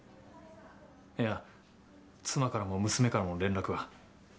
いや妻からも娘からも連絡は。